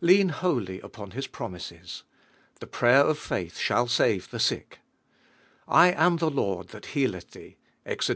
Lean wholly upon His promises. "The prayer of faiih shall save the sick," "1 am the Lord that healeth the body.